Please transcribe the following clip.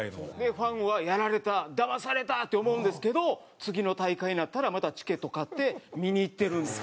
ファンはやられただまされたって思うんですけど次の大会になったらまたチケット買って見に行ってるんです。